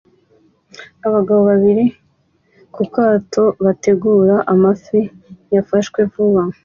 Abagabo babiri ku kato bategura amafi yafashwe vuba